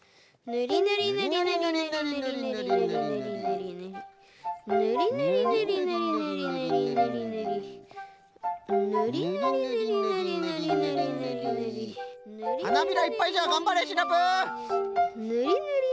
ぬりぬりぬりぬり。